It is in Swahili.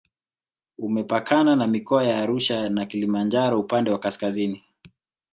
Umepakana na mikoa ya Arusha na Kilimanjaro upande wa kaskazini